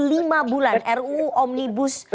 lima bulan ruu omnibus